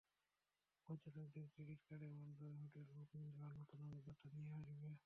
পর্যটকদের ক্রেডিট কার্ডের মাধ্যমে হোটেল বুকিং দেওয়ার নতুন অভিজ্ঞতা নিয়ে আসবে।